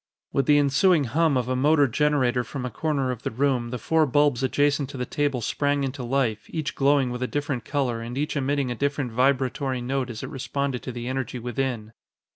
With the ensuing hum of a motor generator from a corner of the room, the four bulbs adjacent to the table sprang into life, each glowing with a different color and each emitting a different vibratory note as it responded to the energy within.